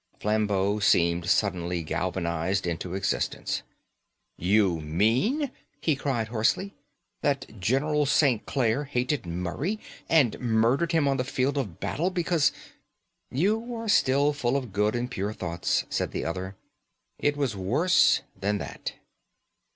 Flambeau seemed suddenly galvanised into existence. "You mean," he cried hoarsely, "that General St. Clare hated Murray, and murdered him on the field of battle because " "You are still full of good and pure thoughts," said the other. "It was worse than that."